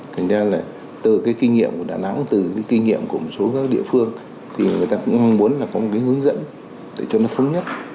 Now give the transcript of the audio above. thành ra là từ cái kinh nghiệm của đà nẵng từ cái kinh nghiệm của một số các địa phương thì người ta cũng muốn là có một cái hướng dẫn để cho nó thống nhất